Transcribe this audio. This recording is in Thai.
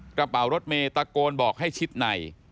กระเป๋ารถเมย์ตะโกนบอกให้ชิดใน